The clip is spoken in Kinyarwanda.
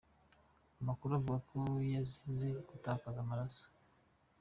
Amakuru avuga ko yazize gutakaza amaraso.